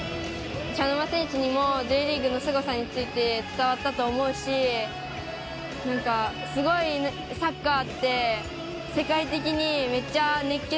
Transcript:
茶の間戦士にもＪリーグのすごさについてつたわったと思うしすごいサッカーって世界的にめっちゃねっけ